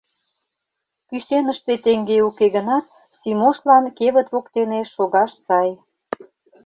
Кӱсеныште теҥге уке гынат, Симошлан кевыт воктене шогаш сай.